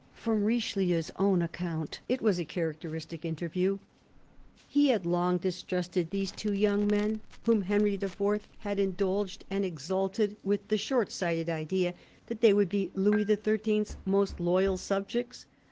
From Richelieu's own account, it was a characteristic interview. He had long distrusted these two young men, whom Henry IV. had indulged and exalted with the short sighted idea that they would be Louis XHI.'s most loyal subjects.